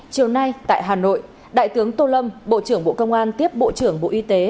chiều nay tại hà nội đại tướng tô lâm bộ trưởng bộ công an tiếp bộ trưởng bộ y tế